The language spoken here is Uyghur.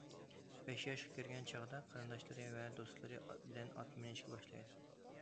بەش ياشقا كىرگەن چاغدا قېرىنداشلىرى ۋە دوستلىرى بىلەن ئات مىنىشكە باشلايدۇ.